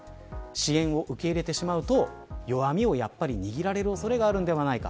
支援を受け入れてしまうと弱みを握られる恐れがあるんではないか。